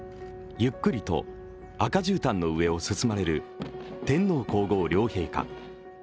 ゆっくりと赤じゅうたんの上を進まれる天皇皇后両陛下。